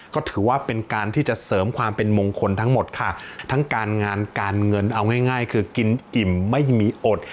ก็ถือว่าเป็นการที่จะเสริมความเป็นมงคลทั้งหมดค่ะทั้งการงานการเงินเอาง่ายง่ายคือกินอิ่มไม่มีอด